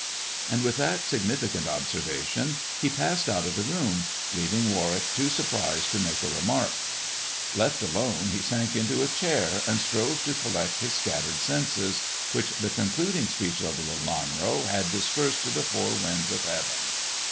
And with that significant observation he passed out of the room, leaving Warwick too surprised to make a rematk. Left alone, he sank into a chair, and strove to collect his scattered senses, which the concluding speech of Lelanro had dispersed to the four winds of heaven.